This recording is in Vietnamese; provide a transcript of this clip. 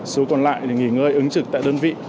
số còn lại để nghỉ ngơi ứng trực tại đơn vị